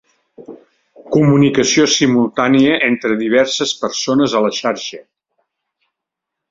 Comunicació simultània entre diverses persones a la xarxa.